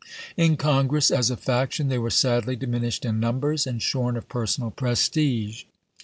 In Congress, as a faction, they were sadly diminished in num bers and shorn of personal prestige.